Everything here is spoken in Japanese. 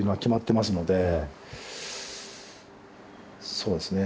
そうですね。